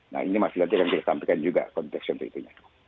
nah ini masih nanti akan disampaikan juga konteks yang terhitungnya